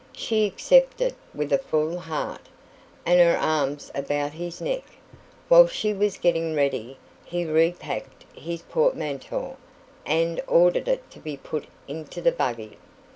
She accepted with a full heart, and her arms about his neck. While she was getting ready, he repacked his portmanteau, and ordered it to be put into the buggy.